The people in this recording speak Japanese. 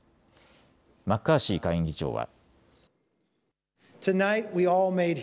マッカーシー下院議長は。